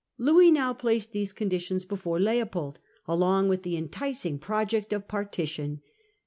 Louis now placed these condi tions before Leopold, along with the enticing project of partition.